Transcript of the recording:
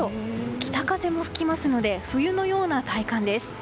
北風も吹きますので冬のような体感です。